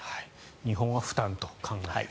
日本は負担と考える。